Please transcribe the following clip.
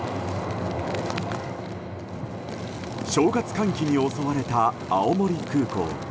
正月寒気に襲われた青森空港。